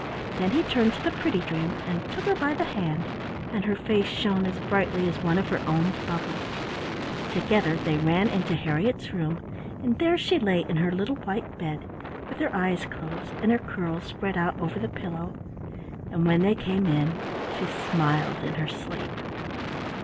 Then he turned to the pretty dream and took her by the hand, and her face shone as brightly as one of her own bubbles. Together they ran into Harriett's room, and there she lay in her little white bed, with her eyes closed and her curls spread out over the pillow, and when they came in she smiled in her sleep.